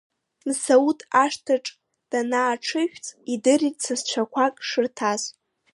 Мсауҭ ашҭаҿы данааҽыжәҵ, идырит сасцәақәак шырҭаз.